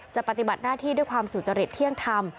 ปฏิบัติหน้าที่ด้วยความสุจริตเที่ยงธรรม